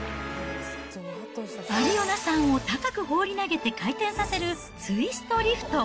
アリオナさんを高く放り投げて回転させる、ツイストリフト。